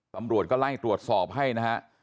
ตำรวจก็ไล่ตรวจสอบให้นะฮะ